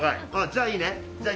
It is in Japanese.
じゃあいいね。